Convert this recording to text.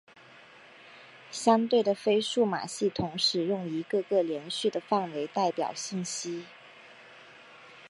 相对的非数码系统使用一个个连续的范围代表信息。